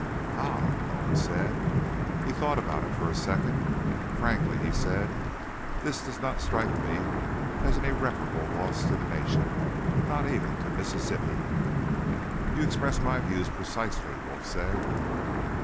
"Ah," Malone said. He thought about it for a second. "Frankly," he said, "this does not strike me as an irreparable loss to the nation. Not even to Mississippi." "You express my views precisely," Wolf said.